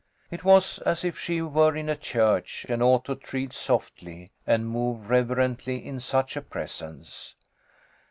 It was as if she were in a church and ought to tread softly, and move rever ently in such a presence.